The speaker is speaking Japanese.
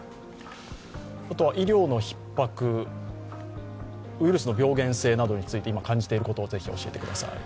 あとは医療のひっ迫、ウイルスの病原性などについて感じていることを教えてください。